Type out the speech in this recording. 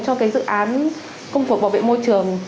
cho cái dự án công cuộc bảo vệ môi trường